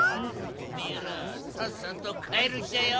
おめえらさっさとかえるっちゃよ！